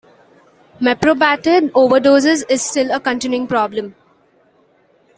Meprobamate overdosage is still a continuing problem.